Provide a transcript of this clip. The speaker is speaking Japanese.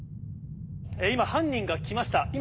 今犯人が来ました